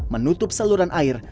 menutup saluran air